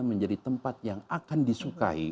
menjadi tempat yang akan disukai